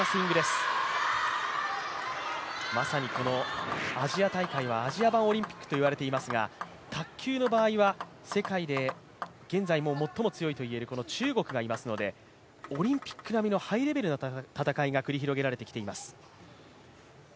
まさにアジア大会はアジア版オリンピックといわれていますが、卓球の場合は世界で現在も最も強いと言われる中国がいますので、オリンピック並みのハイレベルな戦いが繰り広げられてきています。